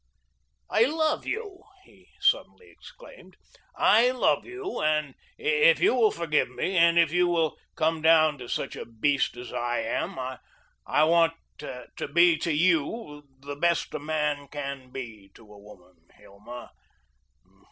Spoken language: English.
I love you," he suddenly exclaimed; "I love you, and if you will forgive me, and if you will come down to such a beast as I am, I want to be to you the best a man can be to a woman, Hilma.